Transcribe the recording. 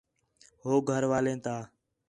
ہو گھر والیں تا